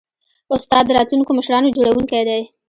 استاد د راتلونکو مشرانو جوړوونکی دی.